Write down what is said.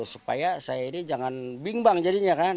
supaya saya ini jangan bimbang jadinya kan